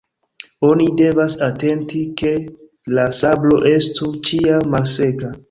Oni devas atenti, ke la sablo estu ĉiam malseka.